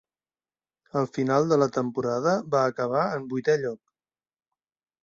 Al final de la temporada, va acabar en vuitè lloc.